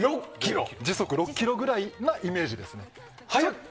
時速６キロぐらいなイメージです。